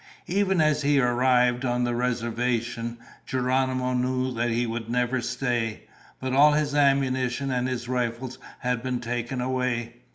Even as he arrived on the reservation, Geronimo knew that he would never stay. But all his ammunition and his rifle had been taken away.